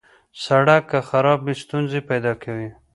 سړک که خراب وي، ستونزې پیدا کوي.